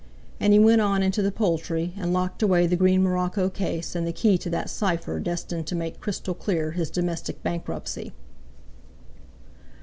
And he went on into the Poultry, and locked away the green morocco case and the key to that cipher destined to make crystal clear his domestic bankruptcy.